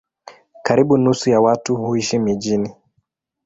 Karibu nusu ya watu huishi mijini.